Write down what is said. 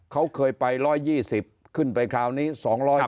เขาเคยไป๑๒๐ขึ้นไปคราวนี้๒๕๐